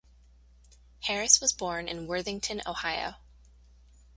Harris was born in Worthington, Ohio.